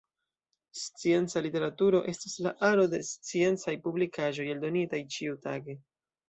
Scienca literaturo estas la aro de sciencaj publikaĵoj eldonitaj ĉiutage.